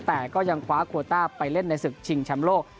แต่ก็ยังคว้าโควต้าไปเล่นในศึกชิงแชมป์โลก